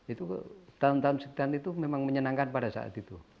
itu tahun tahun sekian itu memang menyenangkan pada saat itu